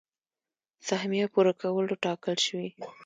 سهميه پوره کولو ټاکل شوي.